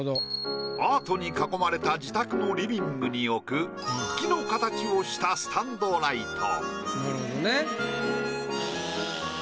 アートに囲まれた自宅のリビングに置く木の形をしたスタンドライト。